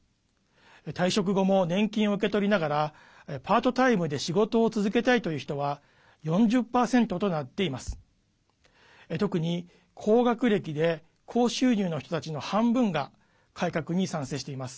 退職後も年金を受け取りながらパートタイムで仕事を続けたいという人は４０％となっています。